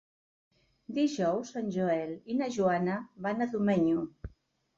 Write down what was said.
Dijous en Joel i na Joana van a Domenyo.